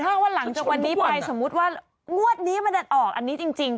แต่วันนี้ไปสมมุติว่างวดนี้มันจะออกอันนี้จริง